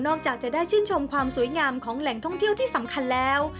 จากจะได้ชื่นชมความสวยงามของแหล่งท่องเที่ยวที่สำคัญแล้ว